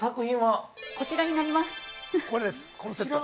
◆こちらになります。